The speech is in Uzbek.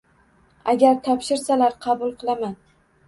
–Agar topshirsalar, qabul qilaman.